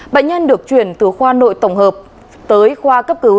bệnh nhân được chuyển từ khoa nội tổng hợp tới khoa cấp cứu